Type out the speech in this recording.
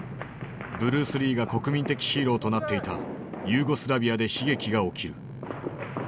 ブルース・リーが国民的ヒーローとなっていたユーゴスラビアで悲劇が起きる。